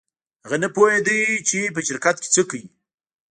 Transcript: هغه نه پوهېده چې په شرکت کې څه کوي.